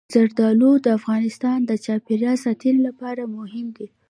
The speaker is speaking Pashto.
زردالو د افغانستان د چاپیریال ساتنې لپاره مهم دي.